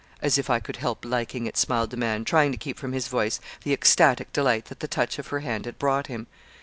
"As if I could help liking it," smiled the man, trying to keep from his voice the ecstatic delight that the touch of her hand had brought him.